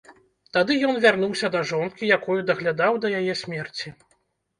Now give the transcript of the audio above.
Тады ён вярнуўся да жонкі, якую даглядаў да яе смерці.